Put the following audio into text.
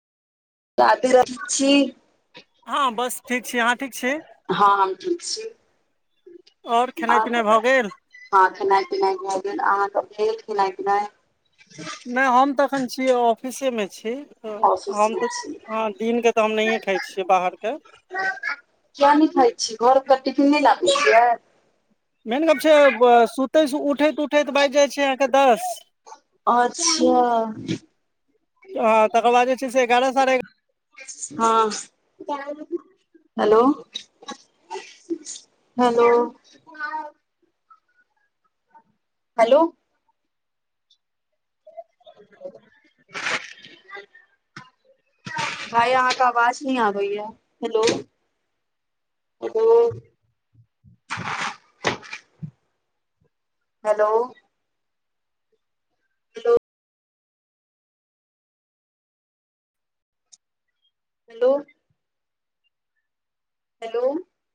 र छी [unintelligible] हँ बस ठीक छी। अहाँ ठीक छी? हँ हम ठीक छी। आओर खेनाइ आर पिनाइ भऽ गेल? हँ खेनाइ पिनाइ भऽ गेल। अहाँ क भेल खेनाइ- पिनाइ? नै हम तऽ एखन छी ऑफिसे मे छी। हॅं ऑफिस हम गेल तऽ छी हँ दिन के तऽ हम नहिये खाइ छियै बाहर के। किया नै खाइ छियै घर क टिफिन नै लाबै छियै? मेन गप छै ब -सुतै से उठैत - उ उठैत बाजि जाइ छै अहांके दस। अच्छा हँ आ तकर बाद जे छै से एगारह साढ़े एगा हँ हेलो, हेलो, हेलो, आ छै [unintelligible] भाय अहाँ क अवाज नै आबै ये। Hello, hello, hello, hello hello, hello,